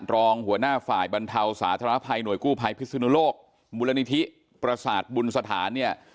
รองหัวหน้าฝ่ายบรรเทาสาธารณภัยหน่วยกู้ภัยพิศนุโลกมูลนิธิประสาทบุญสถานเนี่ย